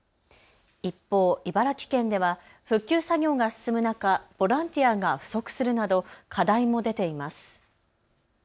一方、茨城県では復旧作業が進む中、ボランティアが不足するなど課題も出ています。